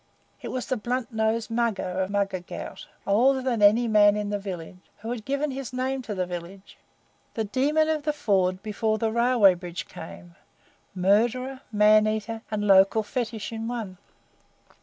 It was the blunt nosed Mugger of Mugger Ghaut, older than any man in the village, who had given his name to the village; the demon of the ford before the railway bridge, came murderer, man eater, and local fetish in one.